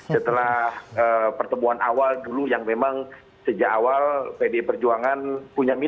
setelah pertemuan awal dulu yang memang sejak awal pdi perjuangan punya mimpi